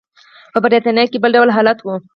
په برېټانیا کې بل ډول حالت و.